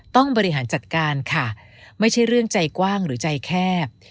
บริหารจัดการค่ะไม่ใช่เรื่องใจกว้างหรือใจแคบ